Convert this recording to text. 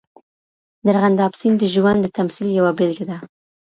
د ارغنداب سیند د ژوند د تمثیل یوه بېلګه ده.